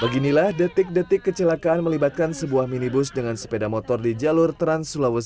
beginilah detik detik kecelakaan melibatkan sebuah minibus dengan sepeda motor di jalur trans sulawesi